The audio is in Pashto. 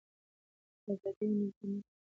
که ازادي وي نو بند نه پاتې کیږي.